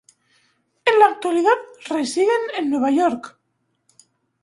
En la actualidad residen en Nueva York.